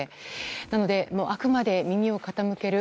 なのであくまで、耳を傾ける。